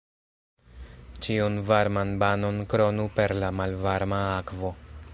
Ĉiun varman banon kronu per la malvarma akvo.